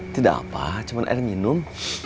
tidak apa cuma air minum